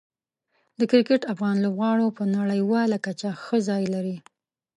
د کرکټ افغان لوبغاړو په نړیواله کچه ښه ځای لري.